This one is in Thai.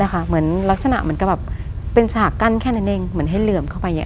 เหมือนลักษณะเหมือนกับแบบเป็นฉากกั้นแค่นั้นเองเหมือนให้เหลื่อมเข้าไป